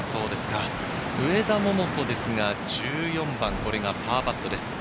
上田桃子ですが、１４番、これがパーパットです。